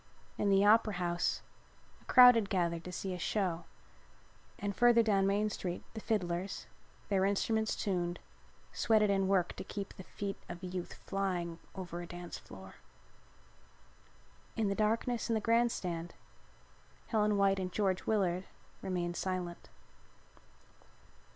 In the Opera House a crowd had gathered to see a show and further down Main Street the fiddlers, their instruments tuned, sweated and worked to keep the feet of youth flying over a dance floor. In the darkness in the grand stand Helen White and George Willard remained silent.